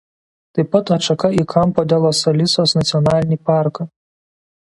Taip pat atšaka į "Campo de los Alisos" nacionalinį parką.